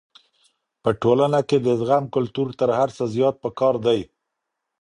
په ټولنه کي د زغم کلتور تر هر څه زيات پکار دی.